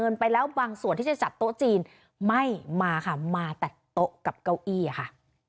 มาตัดโต๊ะกับเก้าอี้ค่ะ